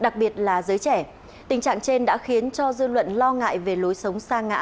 tình trạng trên đã khiến cho dư luận lo ngại về lối sống xa ngã